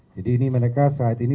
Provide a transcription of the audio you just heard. jadi ini mereka saat ini